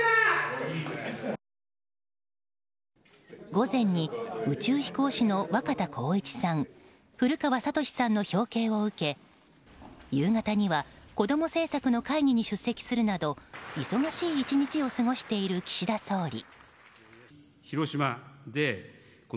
午前に宇宙飛行士の若田光一さん古川聡さんの表敬を受け夕方にはこども政策の会議に出席するなど忙しい１日を過ごしている岸田総理。